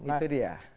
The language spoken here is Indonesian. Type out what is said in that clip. nah itu dia